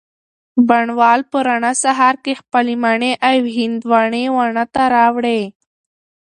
بڼ وال په رڼه سهار کي خپلې مڼې او هندواڼې واڼه ته راوړې